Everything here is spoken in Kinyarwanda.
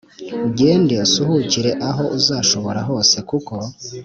ugende usuhukire aho uzashobora hose kuko